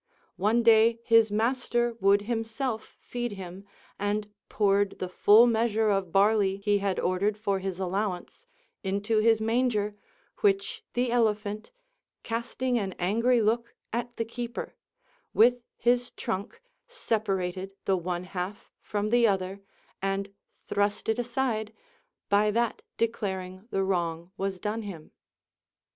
One day his master would himself feed him, and poured the full measure of barley he had ordered for his allowance into his manger which the elephant, casting an angry look at the keeper, with his trunk separated the one half from the other, and thrust it aside, by that declaring the wrong was done him.